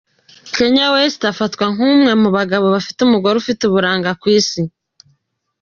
Kanye West afatwa nk’umwe mu bagabo bafite umugore ufite uburanga ku isi.